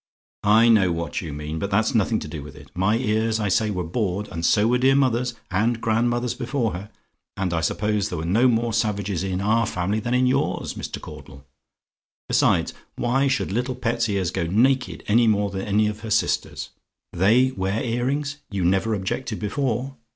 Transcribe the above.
"I know what you mean but that's nothing to do with it. My ears, I say, were bored, and so were dear mother's, and grandmother's before her; and I suppose there were no more savages in our family than in yours, Mr. Caudle? Besides, why should little pet's ears go naked any more than any of her sisters'? They wear earrings; you never objected before.